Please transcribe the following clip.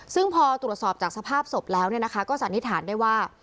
ซึ่งพอตรวจสอบจากสภาพศพแล้วก็สันนิษฐานได้ว่า